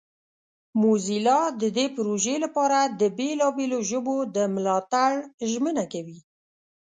موزیلا د دې پروژې لپاره د بیلابیلو ژبو د ملاتړ ژمنه کوي.